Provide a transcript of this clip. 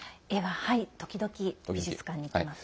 時々、美術館に行きます。